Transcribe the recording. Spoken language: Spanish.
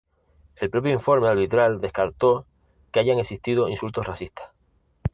El propio informe arbitral descartó que hayan existido insultos racistas.